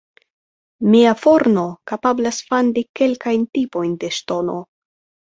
Mia forno kapablas fandi kelkajn tipojn de ŝtono.